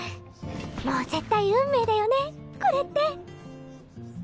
もう絶対運命だよねこれって。